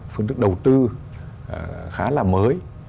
phương thức đầu tư khá là mới